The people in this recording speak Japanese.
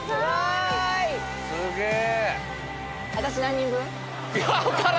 すげえ！